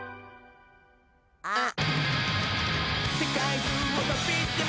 あっ。